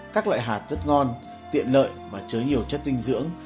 các loại hạt rất ngon tiện lợi và chứa nhiều chất dinh dưỡng